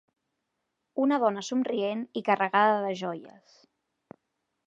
Una dona somrient i carregada de joies.